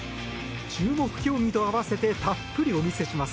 注目競技と合わせてたっぷりお見せします。